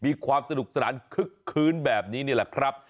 มีความสนุกสรรคืนแบบนี้นี่แหละครับ